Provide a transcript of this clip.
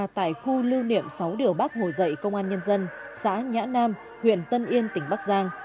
tại khu lưu niệm sáu điều bắc hồi dậy công an nhân dân xã nhã nam huyện tân yên tỉnh bắc giang